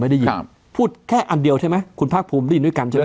ได้ยินครับพูดแค่อันเดียวใช่ไหมคุณภาคภูมิได้ยินด้วยกันใช่ไหม